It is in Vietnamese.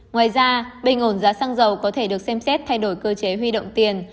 ngoài ra bình ổn giá xăng dầu có thể được xem xét thay đổi cơ chế huy động tiền